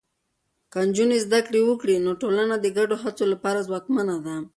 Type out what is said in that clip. که نجونې زده کړه وکړي، نو ټولنه د ګډو هڅو لپاره ځواکمنه ده.